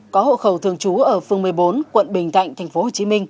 có hộ khẩu thường trú ở phương một mươi bốn quận bình thạnh tp hcm